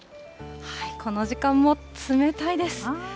この時間も冷たいです。